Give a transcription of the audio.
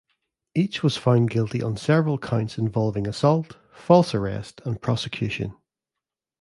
Each was found guilty on several counts involving assault, false arrest, and prosecution.